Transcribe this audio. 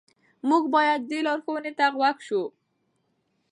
موږ باید دې لارښوونې ته غوږ شو.